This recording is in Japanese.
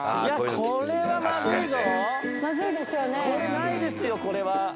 これないですよこれは。